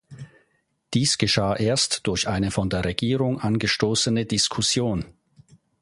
Dies geschah erst durch eine von der Regierung angestoßene Diskussion.